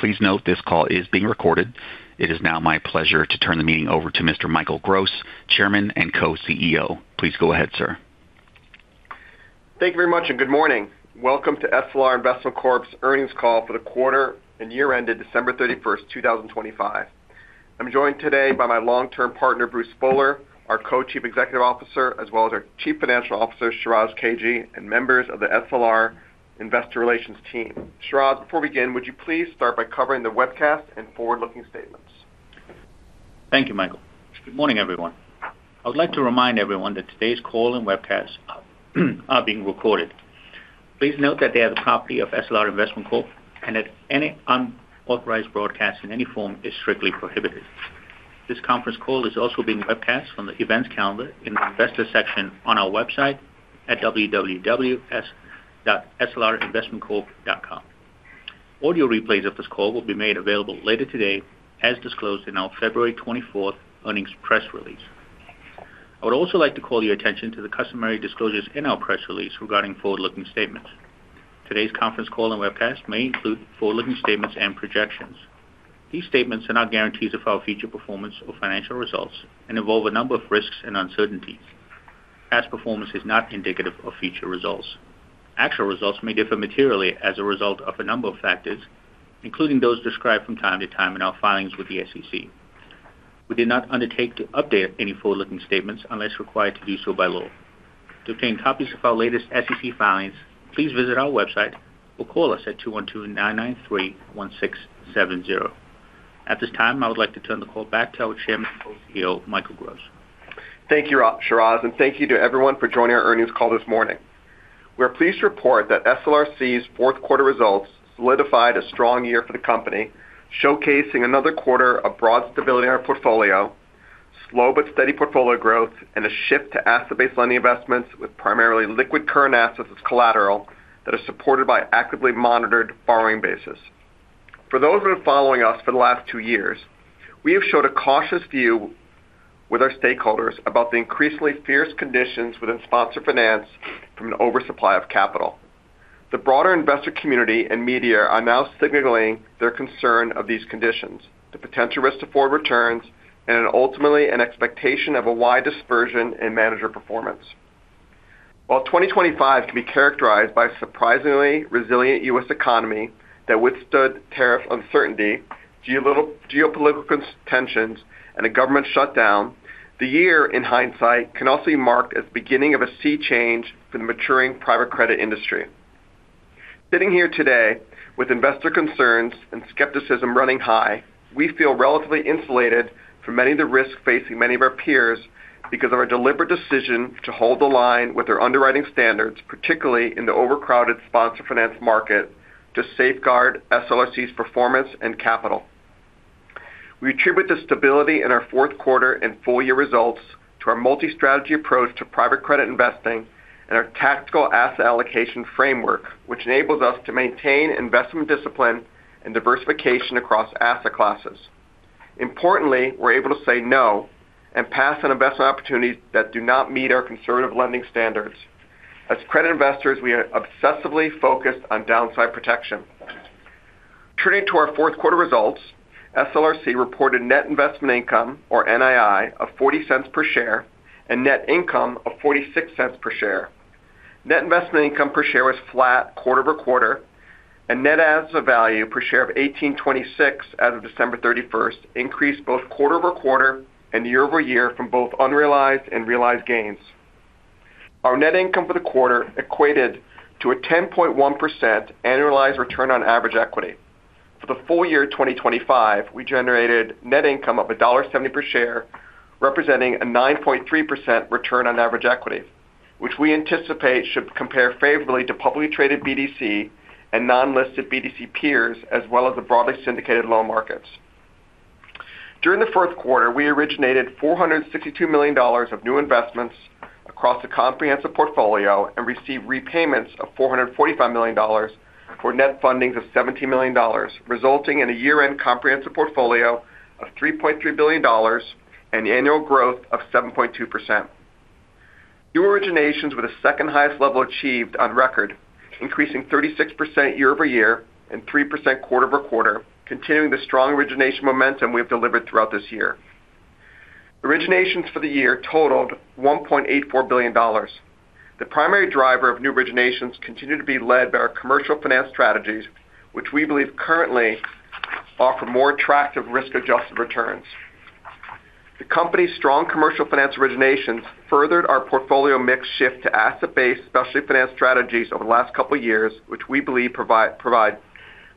Please note this call is being recorded. It is now my pleasure to turn the meeting over to Mr. Michael Gross, Chairman and Co-CEO. Please go ahead, sir. Thank you very much, and good morning. Welcome to SLR Investment Corp.'s earnings call for the quarter and year-ended December 31st, 2025. I'm joined today by my long-term partner, Bruce Spohler, our Co-Chief Executive Officer, as well as our Chief Financial Officer, Shiraz Kajee, and members of the SLR Investor Relations team. Shiraz, before we begin, would you please start by covering the webcast and forward-looking statements? Thank you, Michael. Good morning, everyone. I would like to remind everyone that today's call and webcast, are being recorded. Please note that they are the property of SLR Investment Corp, and that any unauthorized broadcast in any form is strictly prohibited. This conference call is also being webcast on the Events calendar in the Investor section on our website at www.slrinvestmentcorp.com. Audio replays of this call will be made available later today, as disclosed in our February 24th earnings press release. I would also like to call your attention to the customary disclosures in our press release regarding forward-looking statements. Today's conference call and webcast may include forward-looking statements and projections. These statements are not guarantees of our future performance or financial results and involve a number of risks and uncertainties. Past performance is not indicative of future results. Actual results may differ materially as a result of a number of factors, including those described from time to time in our filings with the SEC. We did not undertake to update any forward-looking statements unless required to do so by law. To obtain copies of our latest SEC filings, please visit our website or call us at 212-993-1670. At this time, I would like to turn the call back to our Chairman and CEO, Michael Gross. Thank you, Shiraz. Thank you to everyone for joining our earnings call this morning. We are pleased to report that SLRC's fourth quarter results solidified a strong year for the company, showcasing another quarter of broad stability in our portfolio, slow but steady portfolio growth, and a shift to asset-based lending investments with primarily liquid current assets as collateral that are supported by actively monitored borrowing basis. For those who have been following us for the last two years, we have showed a cautious view with our stakeholders about the increasingly fierce conditions within sponsor finance from an oversupply of capital. The broader investor community and media are now signaling their concern of these conditions, the potential risk to forward returns, and ultimately, an expectation of a wide dispersion in manager performance. While 2025 can be characterized by a surprisingly resilient U.S. economy that withstood tariff uncertainty, geopolitical tensions, and a government shutdown, the year, in hindsight, can also be marked as beginning of a sea change for the maturing private credit industry. Sitting here today, with investor concerns and skepticism running high, we feel relatively insulated from many of the risks facing many of our peers because of our deliberate decision to hold the line with our underwriting standards, particularly in the overcrowded sponsor finance market, to safeguard SLRC's performance and capital. We attribute the stability in our fourth quarter and full year results to our multi-strategy approach to private credit investing and our tactical asset allocation framework, which enables us to maintain investment discipline and diversification across asset classes. Importantly, we're able to say no and pass on investment opportunities that do not meet our conservative lending standards. As credit investors, we are obsessively focused on downside protection. Turning to our fourth quarter results, SLRC reported net investment income, or NII, of $0.40 per share and net income of $0.46 per share. Net investment income per share was flat quarter-over-quarter, and net assets of value per share of $18.26 as of December thirty-first, increased both quarter-over-quarter and year-over-year from both unrealized and realized gains. Our net income for the quarter equated to a 10.1% annualized return on average equity. For the full year 2025, we generated net income of $1.70 per share, representing a 9.3% return on average equity, which we anticipate should compare favorably to publicly traded BDC and non-listed BDC peers, as well as the broadly syndicated loan markets. During the fourth quarter, we originated $462 million of new investments across the comprehensive portfolio and received repayments of $445 million for net fundings of $70 million, resulting in a year-end comprehensive portfolio of $3.3 billion and annual growth of 7.2%. New originations were the second-highest level achieved on record, increasing 36% year-over-year and 3% quarter-over-quarter, continuing the strong origination momentum we have delivered throughout this year. Originations for the year totaled $1.84 billion. The primary driver of new originations continued to be led by our commercial finance strategies, which we believe currently offer more attractive risk-adjusted returns. The company's strong commercial finance originations furthered our portfolio mix shift to asset-based, specialty finance strategies over the last couple of years, which we believe provide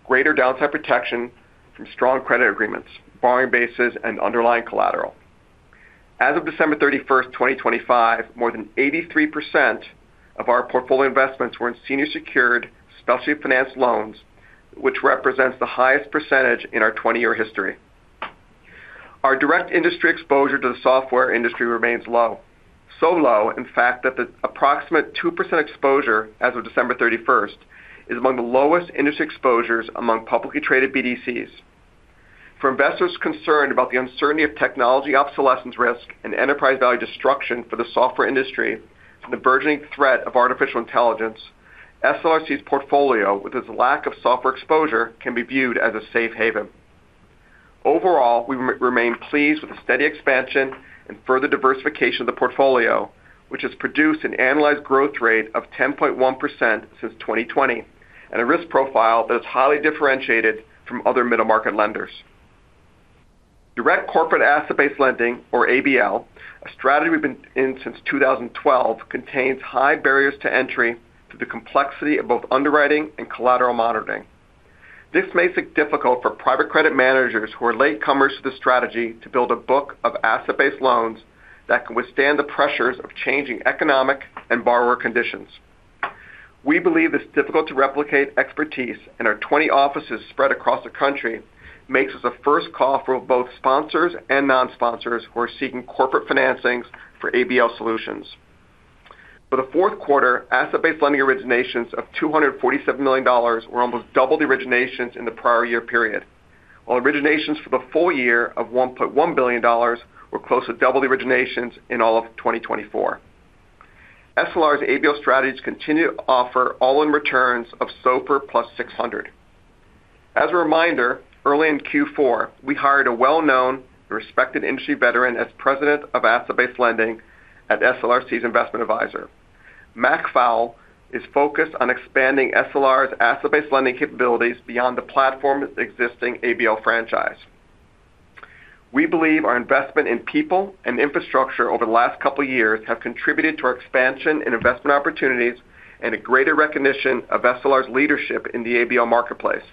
greater downside protection from strong credit agreements, borrowing bases, and underlying collateral. As of December 31st, 2025, more than 83% of our portfolio investments were in senior secured, specialty finance loans, which represents the highest percentage in our 20-year history. Our direct industry exposure to the software industry remains low. Low, in fact, that the approximate 2% exposure as of December 31st, is among the lowest industry exposures among publicly traded BDCs. For investors concerned about the uncertainty of technology obsolescence risk and enterprise value destruction for the software industry and the burgeoning threat of artificial intelligence, SLRC's portfolio, with its lack of software exposure, can be viewed as a safe haven. Overall, we remain pleased with the steady expansion and further diversification of the portfolio, which has produced an annualized growth rate of 10.1% since 2020, and a risk profile that is highly differentiated from other middle-market lenders. Direct corporate asset-based lending, or ABL, a strategy we've been in since 2012, contains high barriers to entry due to the complexity of both underwriting and collateral monitoring. This makes it difficult for private credit managers who are latecomers to the strategy to build a book of asset-based loans that can withstand the pressures of changing economic and borrower conditions. We believe this difficult-to-replicate expertise and our 20 offices spread across the country makes us a first call for both sponsors and non-sponsors who are seeking corporate financings for ABL solutions. For the fourth quarter, asset-based lending originations of $247 million were almost double the originations in the prior year period, while originations for the full year of $1.1 billion were close to double the originations in all of 2024. SLR's ABL strategies continue to offer all-in returns of SOFR plus 600. As a reminder, early in Q4, we hired a well-known and respected industry veteran as President of Asset-Based Lending at SLRC's investment advisor. Mac Fowle is focused on expanding SLR's asset-based lending capabilities beyond the platform's existing ABL franchise. We believe our investment in people and infrastructure over the last couple of years have contributed to our expansion in investment opportunities and a greater recognition of SLR's leadership in the ABL marketplace.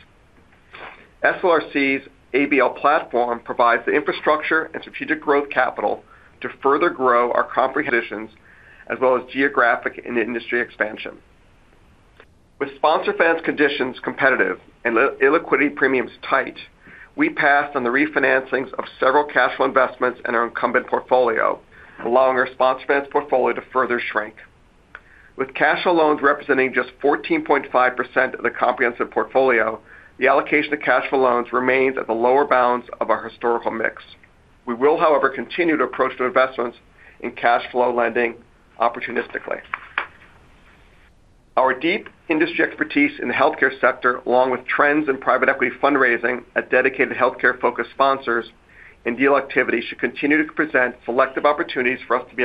SLRC's ABL platform provides the infrastructure and strategic growth capital to further grow our comprehensive conditions, as well as geographic and industry expansion. With sponsor finance conditions competitive and illiquidity premiums tight, we passed on the refinancings of several cash flow investments in our incumbent portfolio, allowing our sponsor finance portfolio to further shrink. With cash flow loans representing just 14.5% of the comprehensive portfolio, the allocation of cash flow loans remains at the lower bounds of our historical mix. We will, however, continue to approach the investments in cash flow lending opportunistically. Our deep industry expertise in the healthcare sector, along with trends in private equity fundraising at dedicated healthcare-focused sponsors and deal activity, should continue to present selective opportunities for us to be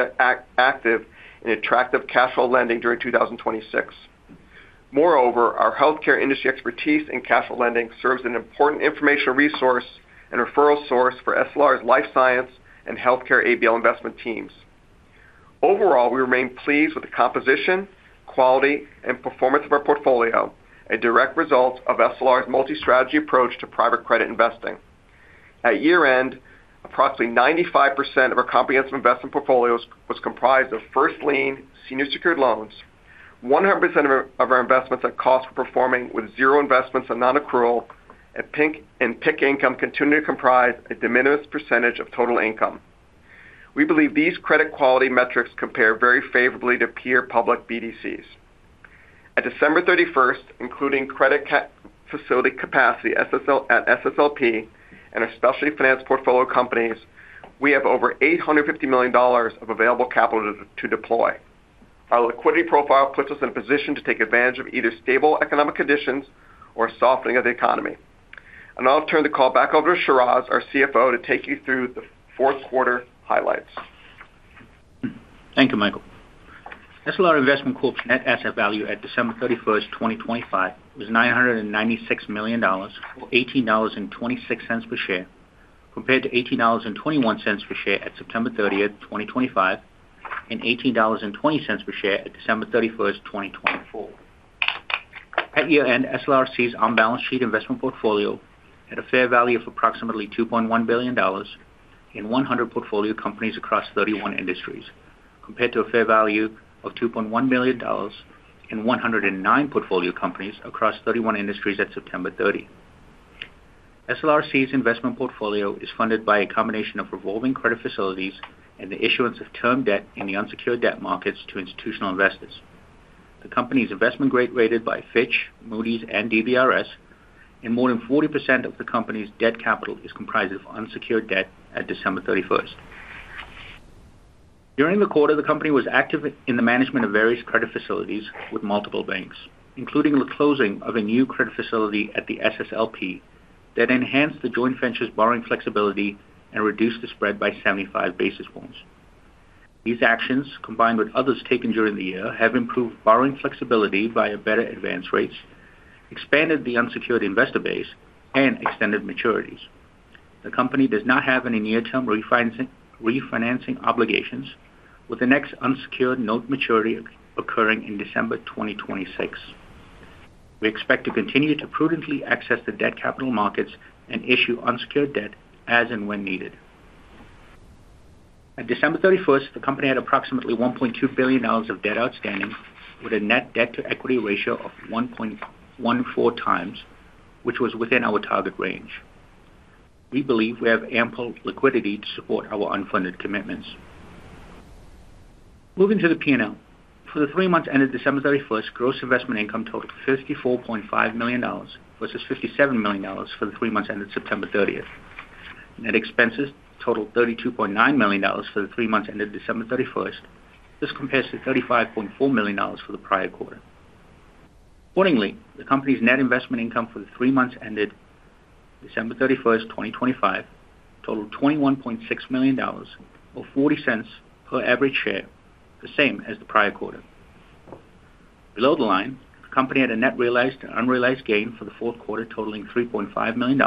active in attractive cash flow lending during 2026. Moreover, our healthcare industry expertise in cash flow lending serves as an important informational resource and referral source for SLR's life science and healthcare ABL investment teams. Overall, we remain pleased with the composition, quality, and performance of our portfolio, a direct result of SLR's multi-strategy approach to private credit investing. At year-end, approximately 95% of our comprehensive investment portfolios was comprised of first lien senior secured loans. 100% of our investments at cost were performing with zero investments on non-accrual, and PIC income continued to comprise a de minimis percentage of total income. We believe these credit quality metrics compare very favorably to peer public BDCs. At December 31st, including credit facility capacity, at SSLP and our specialty finance portfolio companies, we have over $850 million of available capital to deploy. Our liquidity profile puts us in a position to take advantage of either stable economic conditions or softening of the economy. Now I'll turn the call back over to Shiraz, our CFO, to take you through the fourth quarter highlights. Thank you, Michael. SLR Investment Corp's net asset value at December 31st, 2025, was $996 million, or $18.26 per share, compared to $18.21 per share at September 30th, 2025, and $18.20 per share at December 31st, 2024. At year-end, SLRC's on-balance sheet investment portfolio had a fair value of approximately $2.1 billion in 100 portfolio companies across 31 industries, compared to a fair value of $2.1 billion in 109 portfolio companies across 31 industries at September 30. SLRC's investment portfolio is funded by a combination of revolving credit facilities and the issuance of term debt in the unsecured debt markets to institutional investors. The company is investment grade, rated by Fitch, Moody's, and DBRS, and more than 40% of the company's debt capital is comprised of unsecured debt at December 31st. During the quarter, the company was active in the management of various credit facilities with multiple banks, including the closing of a new credit facility at the SSLP that enhanced the joint venture's borrowing flexibility and reduced the spread by 75 basis points. These actions, combined with others taken during the year, have improved borrowing flexibility via better advance rates, expanded the unsecured investor base, and extended maturities. The company does not have any near-term refinancing obligations, with the next unsecured note maturity occurring in December 2026. We expect to continue to prudently access the debt capital markets and issue unsecured debt as and when needed. At December 31st, the company had approximately $1.2 billion of debt outstanding, with a net debt-to-equity ratio of 1.14 times, which was within our target range. We believe we have ample liquidity to support our unfunded commitments. Moving to the P&L. For the three months ended December 31st, gross investment income totaled $54.5 million, versus $57 million for the three months ended September 30th. Net expenses totaled $32.9 million for the three months ended December 31st. This compares to $35.4 million for the prior quarter. The company's net investment income for the three months ended December 31st, 2025, totaled $21.6 million, or $0.40 per average share, the same as the prior quarter. Below the line, the company had a net realized and unrealized gain for the fourth quarter, totaling $3.5 million,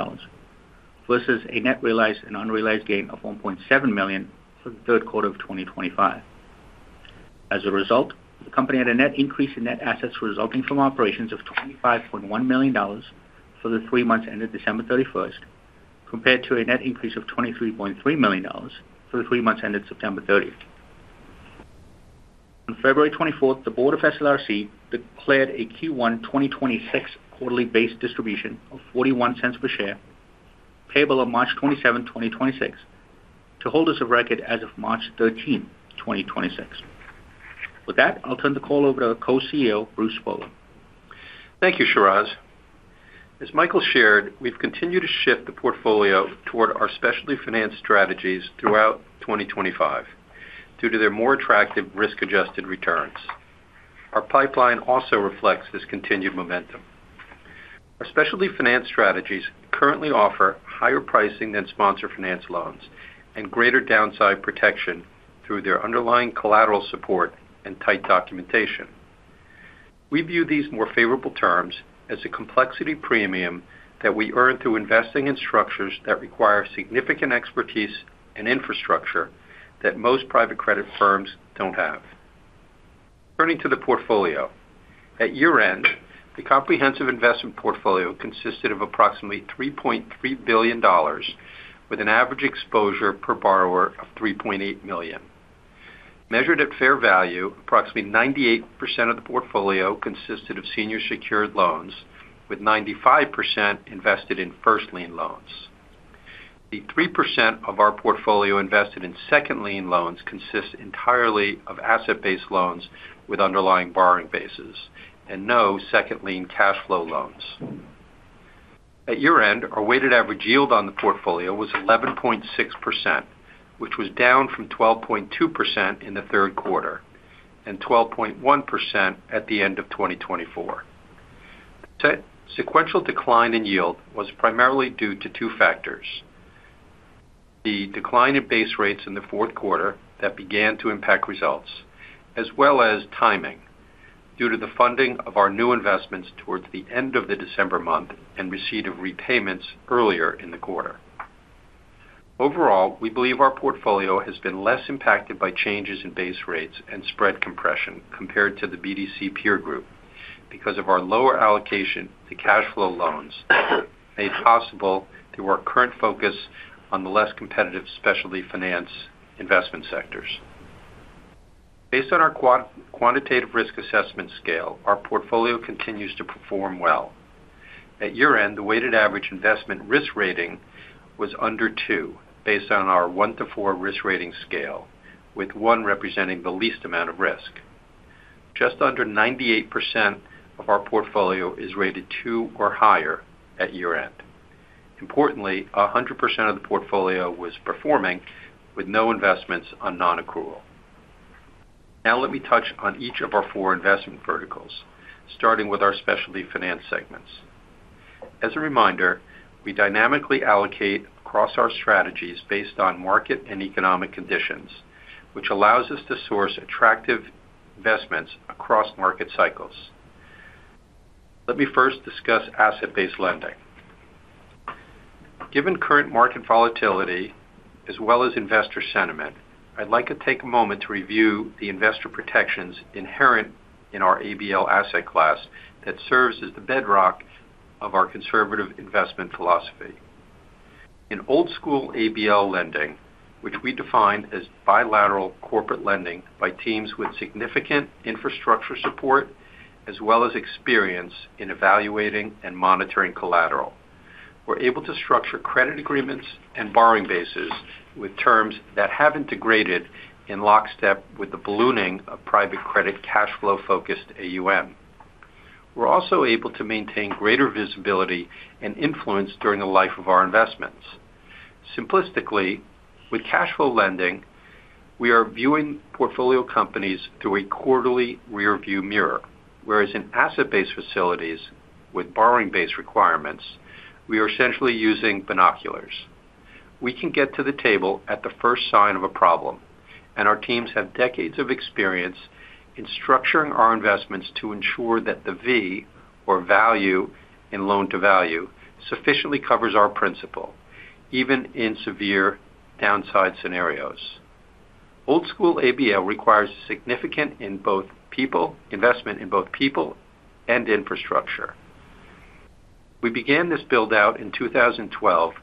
versus a net realized and unrealized gain of $1.7 million for the third quarter of 2025. As a result, the company had a net increase in net assets resulting from operations of $25.1 million for the three months ended December 31st, compared to a net increase of $23.3 million for the three months ended September 30th. On February 24th, the board of SLRC declared a Q1 2026 quarterly base distribution of $0.41 per share, payable on March 27th, 2026, to holders of record as of March 13th, 2026. With that, I'll turn the call over to Co-CEO, Bruce Spohler. Thank you, Shiraz. As Michael shared, we've continued to shift the portfolio toward our specialty finance strategies throughout 2025 due to their more attractive risk-adjusted returns. Our pipeline also reflects this continued momentum. Our specialty finance strategies currently offer higher pricing than sponsor finance loans and greater downside protection through their underlying collateral support and tight documentation. We view these more favorable terms as a complexity premium that we earn through investing in structures that require significant expertise and infrastructure that most private credit firms don't have. Turning to the portfolio. At year-end, the comprehensive investment portfolio consisted of approximately $3.3 billion, with an average exposure per borrower of $3.8 million. Measured at fair value, approximately 98% of the portfolio consisted of senior secured loans, with 95% invested in first lien loans. The 3% of our portfolio invested in second lien loans consists entirely of asset-based loans with underlying borrowing bases and no second lien cash flow loans. At year-end, our weighted average yield on the portfolio was 11.6%, which was down from 12.2% in the third quarter and 12.1% at the end of 2024. The sequential decline in yield was primarily due to two factors: the decline in base rates in the fourth quarter that began to impact results, as well as timing, due to the funding of our new investments towards the end of the December month and receipt of repayments earlier in the quarter. Overall, we believe our portfolio has been less impacted by changes in base rates and spread compression compared to the BDC peer group because of our lower allocation to cash flow loans, made possible through our current focus on the less competitive specialty finance investment sectors. Based on our quantitative risk assessment scale, our portfolio continues to perform well. At year-end, the weighted average investment risk rating was under two, based on our one to four risk rating scale, with one representing the least amount of risk. Just under 98% of our portfolio is rated two or higher at year-end. Importantly, 100% of the portfolio was performing with no investments on non-accrual. Now, let me touch on each of our four investment verticals, starting with our specialty finance segments. As a reminder, we dynamically allocate across our strategies based on market and economic conditions, which allows us to source attractive investments across market cycles. Let me first discuss asset-based lending. Given current market volatility as well as investor sentiment, I'd like to take a moment to review the investor protections inherent in our ABL asset class that serves as the bedrock of our conservative investment philosophy. In old school ABL lending, which we define as bilateral corporate lending by teams with significant infrastructure support, as well as experience in evaluating and monitoring collateral, we're able to structure credit agreements and borrowing bases with terms that haven't degraded in lockstep with the ballooning of private credit, cashflow-focused AUM. We're also able to maintain greater visibility and influence during the life of our investments. Simplistically, with cash flow lending, we are viewing portfolio companies through a quarterly rearview mirror, whereas in asset-based facilities with borrowing-based requirements, we are essentially using binoculars. We can get to the table at the first sign of a problem. Our teams have decades of experience in structuring our investments to ensure that the V, or value in loan-to-value, sufficiently covers our principal, even in severe downside scenarios. Old school ABL requires significant investment in both people and infrastructure. We began this build-out in 2012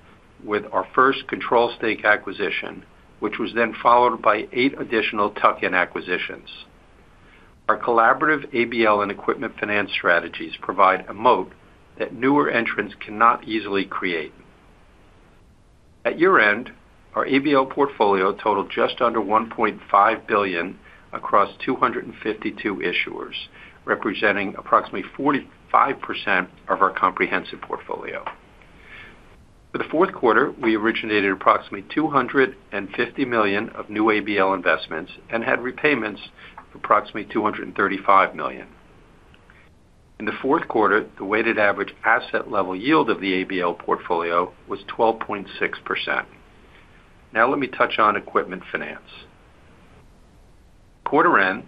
with our first control stake acquisition, which was then followed by eight additional tuck-in acquisitions. Our collaborative ABL and equipment finance strategies provide a moat that newer entrants cannot easily create. At year-end, our ABL portfolio totaled just under $1.5 billion across 252 issuers, representing approximately 45% of our comprehensive portfolio. For the fourth quarter, we originated approximately $250 million of new ABL investments and had repayments of approximately $235 million. In the fourth quarter, the weighted average asset level yield of the ABL portfolio was 12.6%. Now let me touch on equipment finance. Quarter end,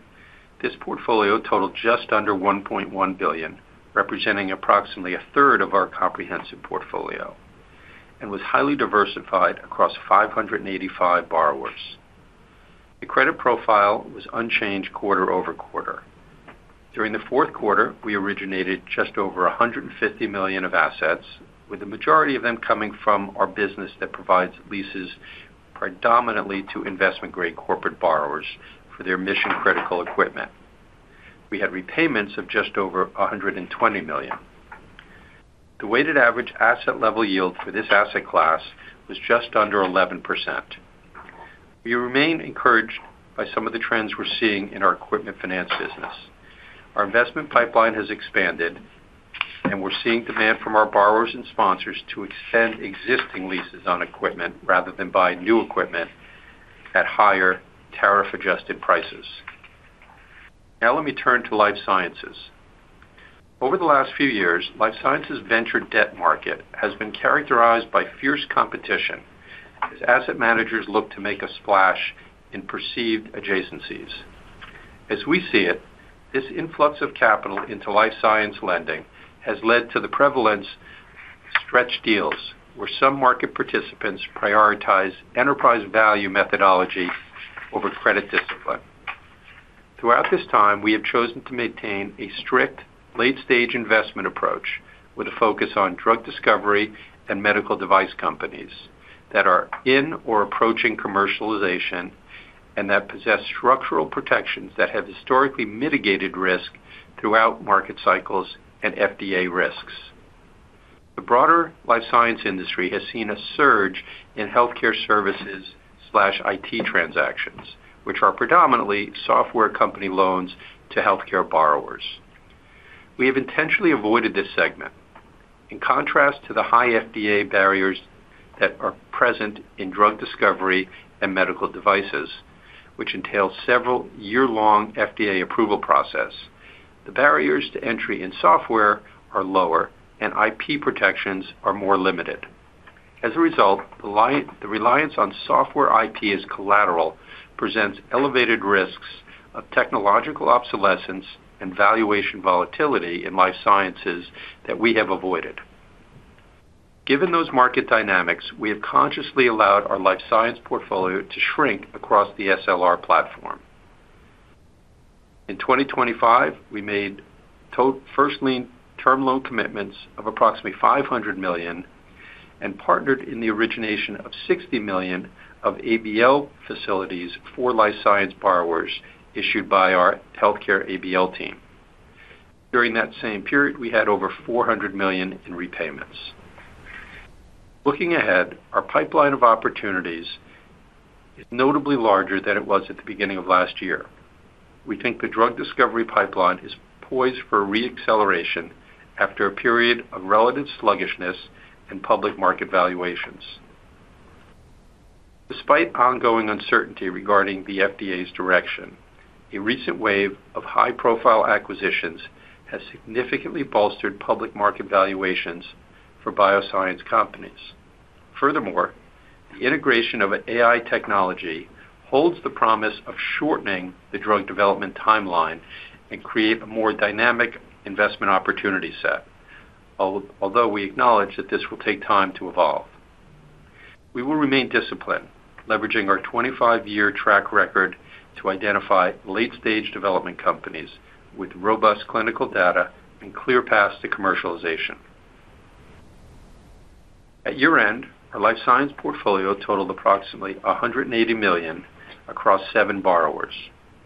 this portfolio totaled just under $1.1 billion, representing approximately a third of our comprehensive portfolio, and was highly diversified across 585 borrowers. The credit profile was unchanged quarter-over-quarter. During the fourth quarter, we originated just over $150 million of assets, with the majority of them coming from our business that provides leases predominantly to investment-grade corporate borrowers for their mission-critical equipment. We had repayments of just over $120 million. The weighted average asset level yield for this asset class was just under 11%. We remain encouraged by some of the trends we're seeing in our equipment finance business. Our investment pipeline has expanded, and we're seeing demand from our borrowers and sponsors to extend existing leases on equipment rather than buy new equipment at higher tariff-adjusted prices. Let me turn to life sciences. Over the last few years, life sciences venture debt market has been characterized by fierce competition, as asset managers look to make a splash in perceived adjacencies. As we see it, this influx of capital into life science lending has led to the prevalence of stretched deals, where some market participants prioritize enterprise value methodology over credit discipline. Throughout this time, we have chosen to maintain a strict late-stage investment approach, with a focus on drug discovery and medical device companies that are in or approaching commercialization, and that possess structural protections that have historically mitigated risk throughout market cycles and FDA risks. The broader life science industry has seen a surge in healthcare services/IT transactions, which are predominantly software company loans to healthcare borrowers. We have intentionally avoided this segment. In contrast to the high FDA barriers that are present in drug discovery and medical devices, which entails several year-long FDA approval process, the barriers to entry in software are lower and IP protections are more limited. As a result, the reliance on software IP as collateral presents elevated risks of technological obsolescence and valuation volatility in life sciences that we have avoided. Given those market dynamics, we have consciously allowed our life science portfolio to shrink across the SLR platform. In 2025, we made first lien term loan commitments of approximately $500 million, and partnered in the origination of $60 million of ABL facilities for life science borrowers issued by our healthcare ABL team. During that same period, we had over $400 million in repayments. Looking ahead, our pipeline of opportunities is notably larger than it was at the beginning of last year. We think the drug discovery pipeline is poised for re-acceleration after a period of relative sluggishness in public market valuations. Despite ongoing uncertainty regarding the FDA's direction, a recent wave of high-profile acquisitions has significantly bolstered public market valuations for bioscience companies. Furthermore, the integration of AI technology holds the promise of shortening the drug development timeline and create a more dynamic investment opportunity set. Although we acknowledge that this will take time to evolve. We will remain disciplined, leveraging our 25-year track record to identify late-stage development companies with robust clinical data and clear paths to commercialization. At year-end, our life science portfolio totaled approximately $180 million across seven borrowers.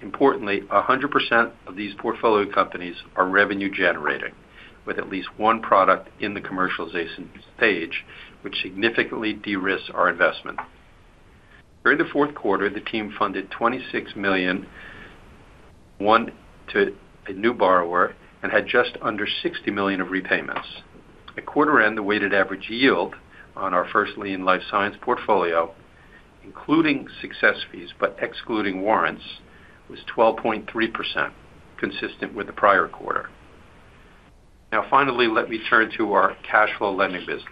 Importantly, 100% of these portfolio companies are revenue-generating, with at least one product in the commercialization stage, which significantly de-risks our investment. During the fourth quarter, the team funded $26 million, one to a new borrower, and had just under $60 million of repayments. At quarter-end, the weighted average yield on our first lien life science portfolio, including success fees, but excluding warrants, was 12.3%, consistent with the prior quarter. Finally, let me turn to our cash flow lending business.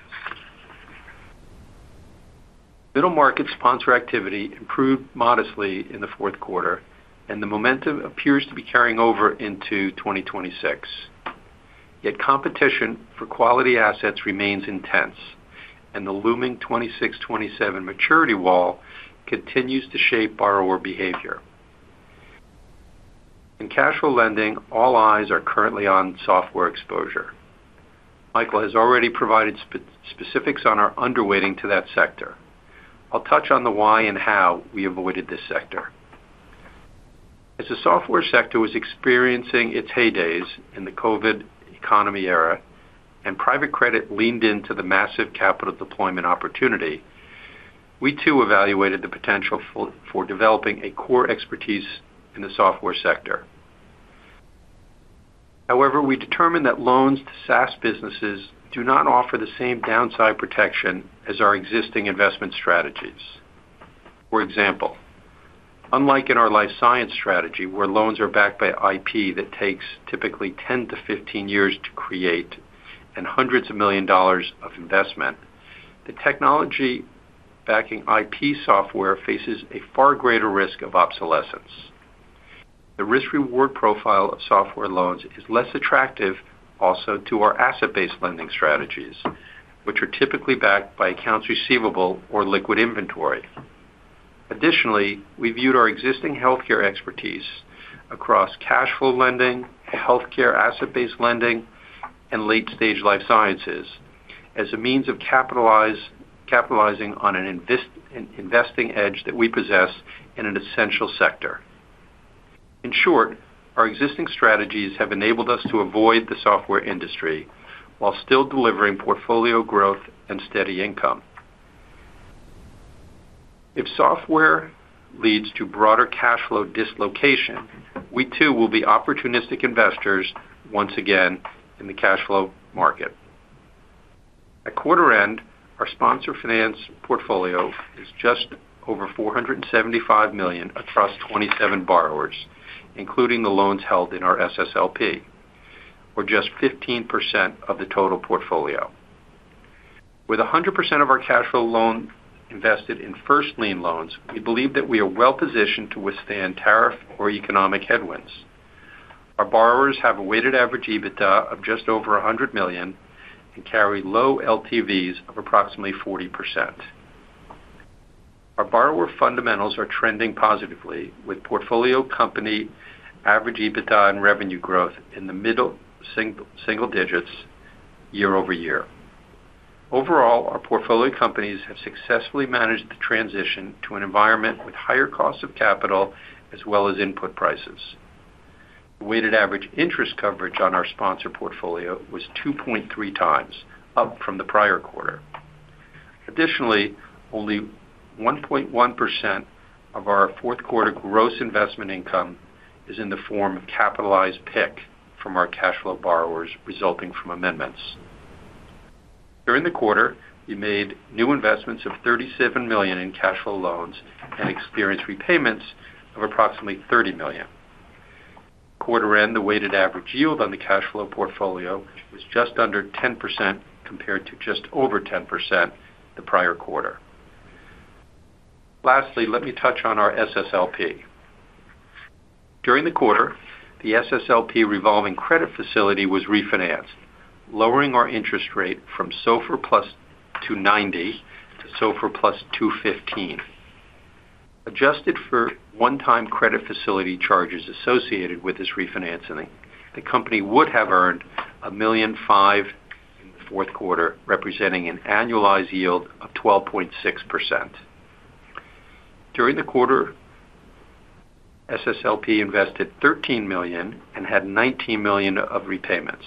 Middle market sponsor activity improved modestly in the fourth quarter, and the momentum appears to be carrying over into 2026. Competition for quality assets remains intense, and the looming 2026-2027 maturity wall continues to shape borrower behavior. In cash flow lending, all eyes are currently on software exposure. Michael Gross has already provided specifics on our underweighting to that sector. I'll touch on the why and how we avoided this sector. As the software sector was experiencing its heydays in the COVID economy era, private credit leaned into the massive capital deployment opportunity, we too evaluated the potential for developing a core expertise in the software sector. However, we determined that loans to SaaS businesses do not offer the same downside protection as our existing investment strategies. For example, unlike in our life science strategy, where loans are backed by IP that takes typically 10-15 years to create and hundreds of million dollars of investment, the technology backing IP software faces a far greater risk of obsolescence. The risk-reward profile of software loans is less attractive also to our asset-based lending strategies, which are typically backed by accounts receivable or liquid inventory. Additionally, we viewed our existing healthcare expertise across cash flow lending, healthcare asset-based lending, and late-stage life sciences as a means of capitalizing on an investing edge that we possess in an essential sector. In short, our existing strategies have enabled us to avoid the software industry while still delivering portfolio growth and steady income. If software leads to broader cash flow dislocation, we, too, will be opportunistic investors once again in the cash flow market. At quarter end, our sponsor finance portfolio is just over $475 million across 27 borrowers, including the loans held in our SSLP, or just 15% of the total portfolio. With 100% of our cash flow loan invested in first lien loans, we believe that we are well positioned to withstand tariff or economic headwinds. Our borrowers have a weighted average EBITDA of just over $100 million and carry low LTVs of approximately 40%. Our borrower fundamentals are trending positively, with portfolio company average EBITDA and revenue growth in the middle single digits year-over-year. Overall, our portfolio companies have successfully managed the transition to an environment with higher costs of capital as well as input prices. Weighted average interest coverage on our sponsor portfolio was 2.3 times, up from the prior quarter. Additionally, only 1.1% of our fourth quarter gross investment income is in the form of capitalized PIC from our cash flow borrowers resulting from amendments. During the quarter, we made new investments of $37 million in cash flow loans and experienced repayments of approximately $30 million. Quarter end, the weighted average yield on the cash flow portfolio was just under 10%, compared to just over 10% the prior quarter. Lastly, let me touch on our SSLP. During the quarter, the SSLP revolving credit facility was refinanced, lowering our interest rate from SOFR plus 90 to SOFR plus 215. Adjusted for one-time credit facility charges associated with this refinancing, the company would have earned a million five in the fourth quarter, representing an annualized yield of 12.6%. During the quarter, SSLP invested $13 million and had $19 million of repayments.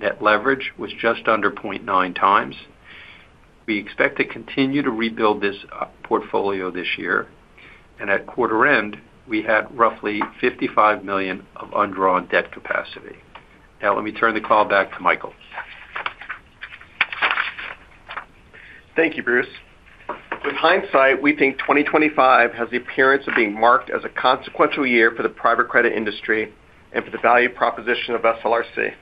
Net leverage was just under 0.9 times. We expect to continue to rebuild this portfolio this year, and at quarter end, we had roughly $55 million of undrawn debt capacity. Let me turn the call back to Michael. Thank you, Bruce. With hindsight, we think 2025 has the appearance of being marked as a consequential year for the private credit industry and for the value proposition of SLRC.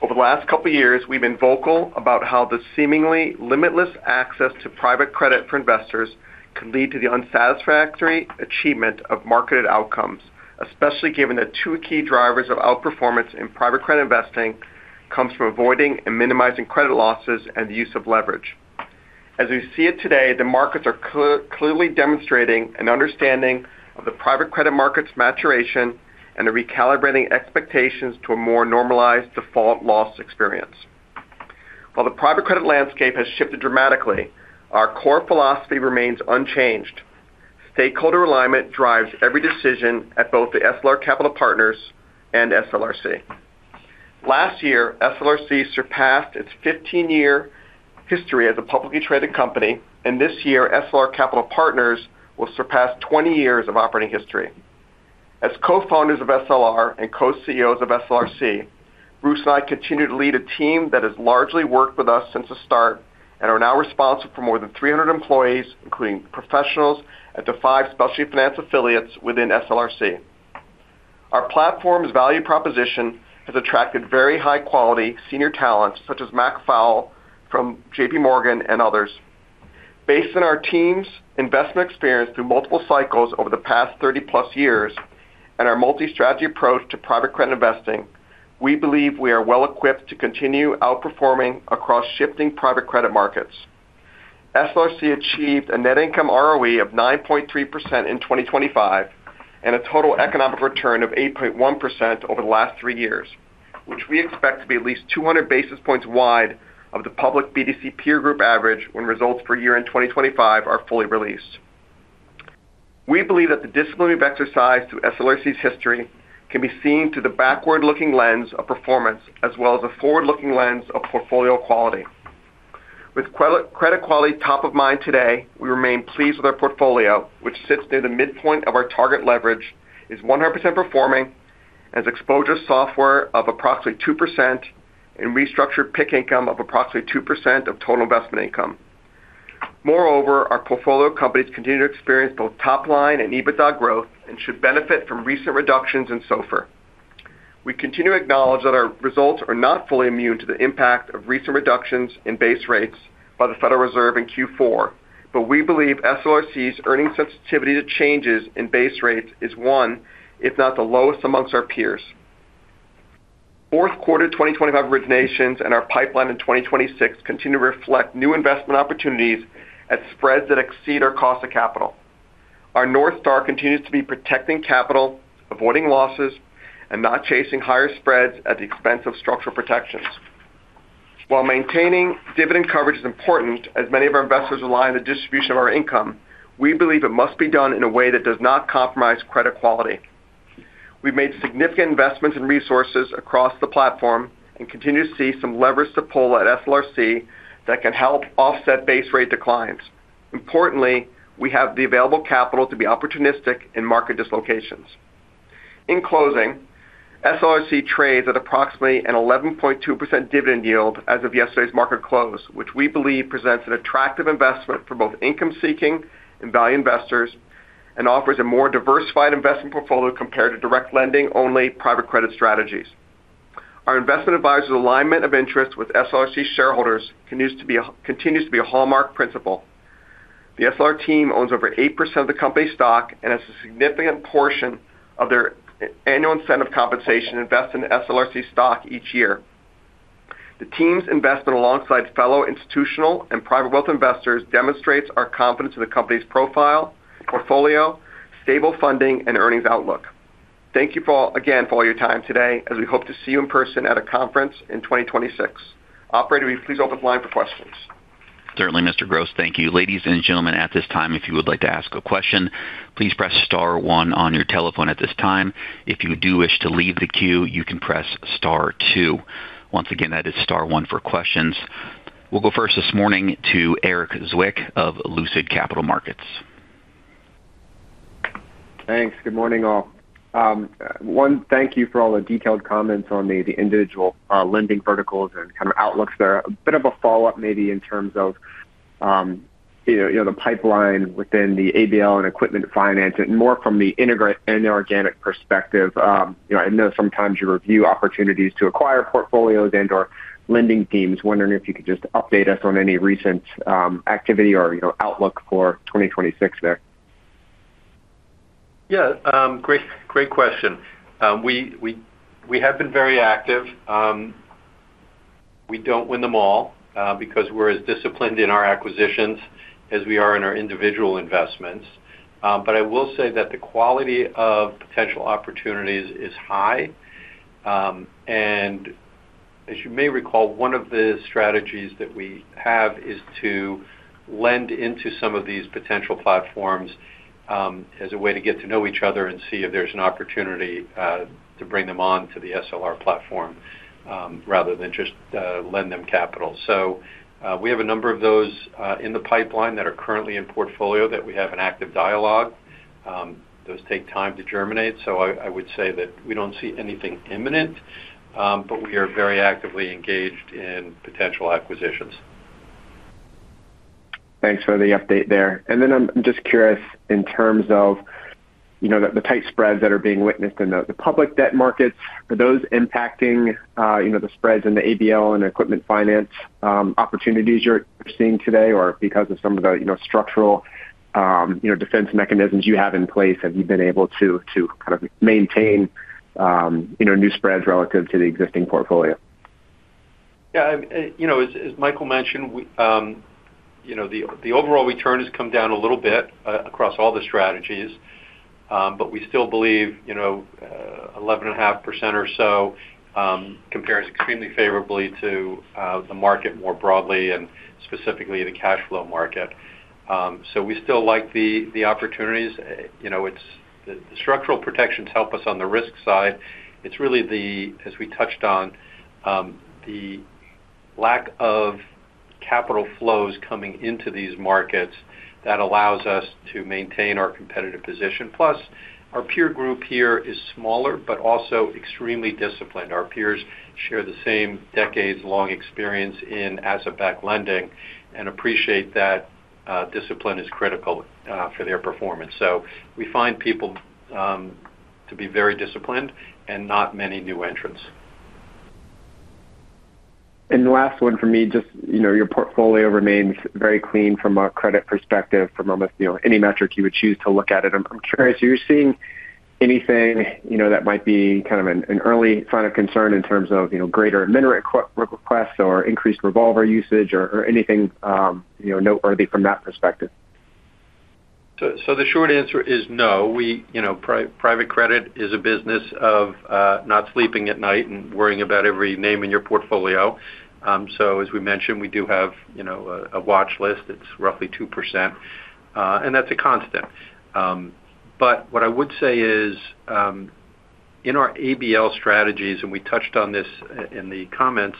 Over the last couple of years, we've been vocal about how the seemingly limitless access to private credit for investors can lead to the unsatisfactory achievement of marketed outcomes, especially given that two key drivers of outperformance in private credit investing comes from avoiding and minimizing credit losses and the use of leverage. As we see it today, the markets are clearly demonstrating an understanding of the private credit market's maturation and a recalibrating expectations to a more normalized default loss experience. The private credit landscape has shifted dramatically, our core philosophy remains unchanged. Stakeholder alignment drives every decision at both the SLR Capital Partners and SLRC. Last year, SLRC surpassed its 15-year history as a publicly traded company. This year, SLR Capital Partners will surpass 20 years of operating history. As co-founders of SLR and Co-CEOs of SLRC, Bruce and I continue to lead a team that has largely worked with us since the start and are now responsible for more than 300 employees, including professionals at the five specialty finance affiliates within SLRC. Our platform's value proposition has attracted very high-quality senior talents, such as Mac Fowle from JPMorgan and others. Based on our team's investment experience through multiple cycles over the past 30+ years and our multi-strategy approach to private credit investing, we believe we are well equipped to continue outperforming across shifting private credit markets. SLRC achieved a net income ROE of 9.3% in 2025 and a total economic return of 8.1% over the last three years. Which we expect to be at least 200 basis points wide of the public BDC peer group average when results for year-end 2025 are fully released. We believe that the discipline we've exercised through SLRC's history can be seen through the backward-looking lens of performance, as well as a forward-looking lens of portfolio quality. With credit quality top of mind today, we remain pleased with our portfolio, which sits near the midpoint of our target leverage, is 100% performing, has exposure software of approximately 2%, and restructured PIC income of approximately 2% of total investment income. Moreover, our portfolio companies continue to experience both top-line and EBITDA growth and should benefit from recent reductions in SOFR. We continue to acknowledge that our results are not fully immune to the impact of recent reductions in base rates by the Federal Reserve in Q4, but we believe SLRC's earnings sensitivity to changes in base rates is one, if not the lowest amongst our peers. Fourth quarter 2025 originations and our pipeline in 2026 continue to reflect new investment opportunities at spreads that exceed our cost of capital. Our North Star continues to be protecting capital, avoiding losses, and not chasing higher spreads at the expense of structural protections. While maintaining dividend coverage is important, as many of our investors rely on the distribution of our income, we believe it must be done in a way that does not compromise credit quality. We've made significant investments in resources across the platform and continue to see some levers to pull at SLRC that can help offset base rate declines. Importantly, we have the available capital to be opportunistic in market dislocations. In closing, SLRC trades at approximately an 11.2% dividend yield as of yesterday's market close, which we believe presents an attractive investment for both income-seeking and value investors, and offers a more diversified investment portfolio compared to direct lending-only private credit strategies. Our investment advisor's alignment of interests with SLRC shareholders continues to be a hallmark principle. The SLR team owns over 8% of the company's stock and has a significant portion of their annual incentive compensation invested in SLRC stock each year. The team's investment, alongside fellow institutional and private wealth investors, demonstrates our confidence in the company's profile, portfolio, stable funding, and earnings outlook. Thank you again, for all your time today, as we hope to see you in person at a conference in 2026. Operator, will you please open the line for questions? Certainly, Mr. Gross. Thank you. Ladies and gentlemen, at this time, if you would like to ask a question, please press star one on your telephone at this time. If you do wish to leave the queue, you can press star two. Once again, that is star one for questions. We'll go first this morning to Erik Zwick of Lucid Capital Markets. Thanks. Good morning, all. One, thank you for all the detailed comments on the individual lending verticals and kind of outlooks there. A bit of a follow-up, maybe in terms of, you know, the pipeline within the ABL and equipment finance and more from the integrate and inorganic perspective. You know, I know sometimes you review opportunities to acquire portfolios and/or lending teams. Wondering if you could just update us on any recent activity or, you know, outlook for 2026 there. Yeah, great question. We have been very active. We don't win them all because we're as disciplined in our acquisitions as we are in our individual investments. I will say that the quality of potential opportunities is high. As you may recall, one of the strategies that we have is to lend into some of these potential platforms as a way to get to know each other and see if there's an opportunity to bring them on to the SLR platform rather than just lend them capital. We have a number of those in the pipeline that are currently in portfolio that we have an active dialogue. Those take time to germinate, so I would say that we don't see anything imminent, but we are very actively engaged in potential acquisitions. Thanks for the update there. I'm just curious, in terms of, you know, the tight spreads that are being witnessed in the public debt markets, are those impacting, you know, the spreads in the ABL and equipment finance opportunities you're seeing today? Because of some of the, you know, structural, you know, defense mechanisms you have in place, have you been able to kind of maintain, you know, new spreads relative to the existing portfolio? As Michael mentioned, we, you know, the overall return has come down a little bit across all the strategies, but we still believe, you know, 11.5% or so, compares extremely favorably to the market more broadly, and specifically the cashflow market. We still like the opportunities. You know, the structural protections help us on the risk side. It's really the, as we touched on, the lack of capital flows coming into these markets that allows us to maintain our competitive position. Our peer group here is smaller, but also extremely disciplined. Our peers share the same decades-long experience in asset-backed lending and appreciate that discipline is critical for their performance. We find people to be very disciplined and not many new entrants. The last one for me, just, you know, your portfolio remains very clean from a credit perspective, from almost, you know, any metric you would choose to look at it. I'm curious, are you seeing anything, you know, that might be kind of an early sign of concern in terms of, you know, greater admin re-requests or increased revolver usage or anything, you know, noteworthy from that perspective? The short answer is no. We, you know, private credit is a business of not sleeping at night and worrying about every name in your portfolio. As we mentioned, we do have, you know, a watch list that's roughly 2%, and that's a constant. What I would say is, in our ABL strategies, and we touched on this in the comments,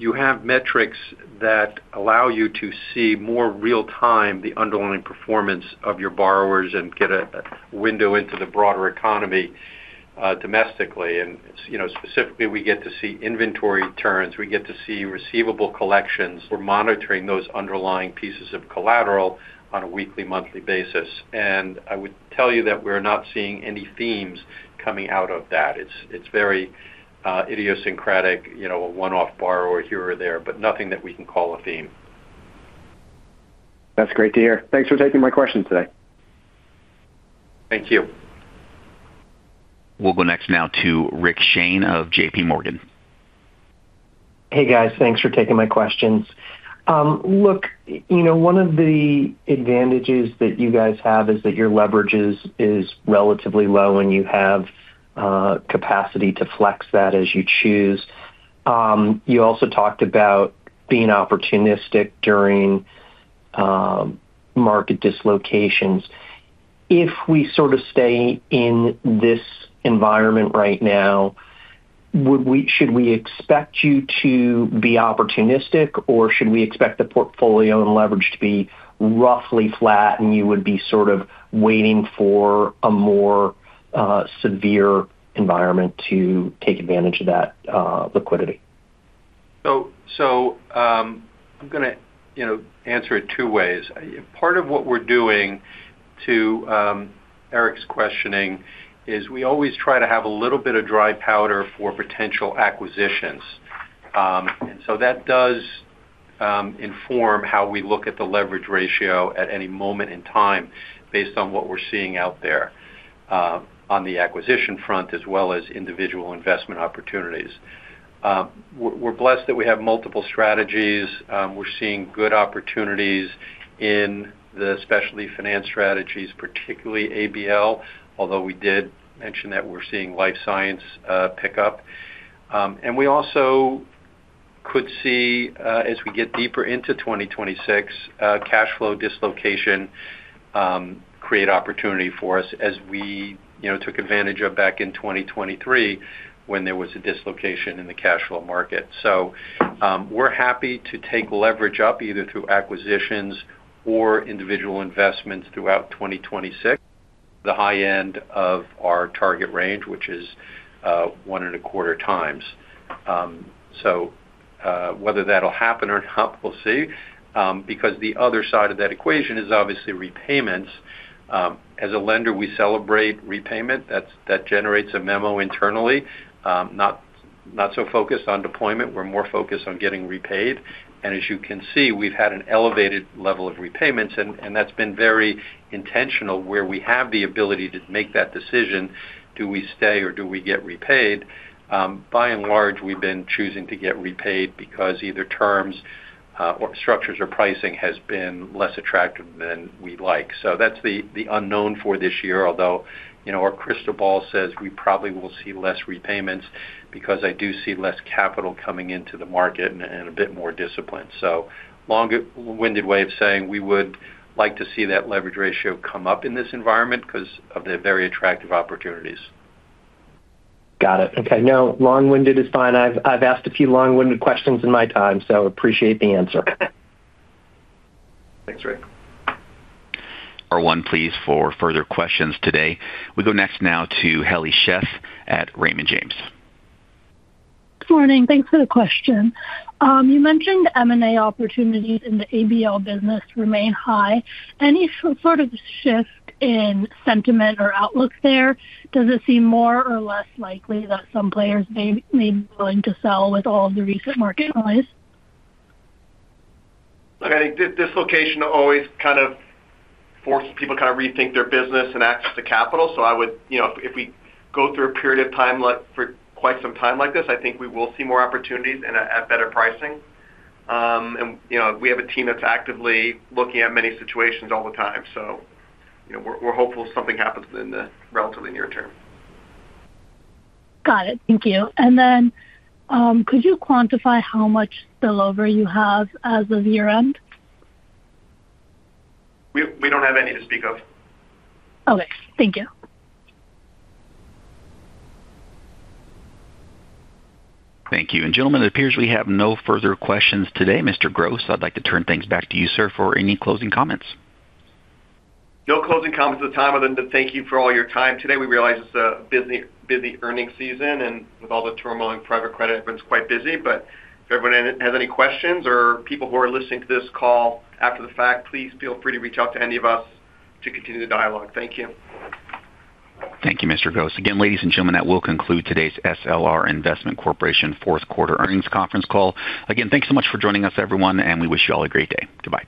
you have metrics that allow you to see more real time, the underlying performance of your borrowers and get a window into the broader economy domestically. Specifically, you know, we get to see inventory turns, we get to see receivable collections. We're monitoring those underlying pieces of collateral on a weekly, monthly basis. I would tell you that we're not seeing any themes coming out of that. It's very idiosyncratic, you know, a one-off borrower here or there, but nothing that we can call a theme. That's great to hear. Thanks for taking my question today. Thank you. We'll go next now to Rick Shane of J.P. Morgan. Hey, guys. Thanks for taking my questions. look, you know, one of the advantages that you guys have is that your leverage is relatively low, and you have capacity to flex that as you choose. You also talked about being opportunistic during market dislocations. If we sort of stay in this environment right now, should we expect you to be opportunistic, or should we expect the portfolio and leverage to be roughly flat, and you would be sort of waiting for a more severe environment to take advantage of that liquidity? I'm gonna, you know, answer it two ways. Part of what we're doing, to Erik's questioning, is we always try to have a little bit of dry powder for potential acquisitions. That does inform how we look at the leverage ratio at any moment in time based on what we're seeing out there on the acquisition front, as well as individual investment opportunities. We're blessed that we have multiple strategies. We're seeing good opportunities in the specialty finance strategies, particularly ABL, although we did mention that we're seeing life science pick up. We also could see, as we get deeper into 2026, cash flow dislocation create opportunity for us as we, you know, took advantage of back in 2023 when there was a dislocation in the cash flow market. We're happy to take leverage up, either through acquisitions or individual investments throughout 2026, the high end of our target range, which is 1.25x. Whether that'll happen or not, we'll see, because the other side of that equation is obviously repayments. As a lender, we celebrate repayment. That generates a memo internally. Not so focused on deployment. We're more focused on getting repaid. As you can see, we've had an elevated level of repayments, and that's been very intentional where we have the ability to make that decision, do we stay or do we get repaid? By and large, we've been choosing to get repaid because either terms or structures or pricing has been less attractive than we'd like. That's the unknown for this year. Although, you know, our crystal ball says we probably will see less repayments because I do see less capital coming into the market and a bit more discipline. Long-winded way of saying we would like to see that leverage ratio come up in this environment because of the very attractive opportunities. Got it. Okay. No, long-winded is fine. I've asked a few long-winded questions in my time, so appreciate the answer. Thanks, Rick. Our one, please, for further questions today. We go next now to Helly Sheff at Raymond James. Good morning. Thanks for the question. You mentioned M&A opportunities in the ABL business remain high. Any sort of shift in sentiment or outlook there? Does it seem more or less likely that some players may be willing to sell with all the recent market noise? Look, I think dislocation always kind of forces people to kind of rethink their business and access to capital. You know, if we go through a period of time like for quite some time like this, I think we will see more opportunities and at better pricing. You know, we have a team that's actively looking at many situations all the time, you know, we're hopeful something happens in the relatively near term. Got it. Thank you. Could you quantify how much spillover you have as of year-end? We don't have any to speak of. Okay. Thank you. Thank you. Gentlemen, it appears we have no further questions today. Mr. Gross, I'd like to turn things back to you, sir, for any closing comments. No closing comments at the time, other than to thank you for all your time today. We realize it's a busy earnings season, and with all the turmoil in private credit, everyone's quite busy. If everyone has any questions or people who are listening to this call after the fact, please feel free to reach out to any of us to continue the dialogue. Thank you. Thank you, Mr. Gross. Again, ladies and gentlemen, that will conclude today's SLR Investment Corporation fourth quarter earnings conference call. Again, thanks so much for joining us, everyone, and we wish you all a great day. Goodbye.